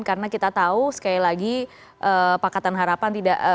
karena kita tahu sekali lagi pakatan harapan tidak